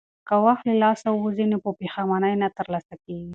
که وخت له لاسه ووځي نو په پښېمانۍ نه ترلاسه کېږي.